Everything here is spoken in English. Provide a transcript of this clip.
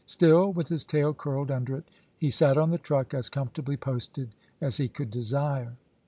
Still, with his tail curled under it, he sat on the truck, as comfortably posted as he could desire.